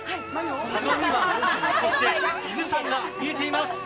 相模湾そして伊豆山が見えています。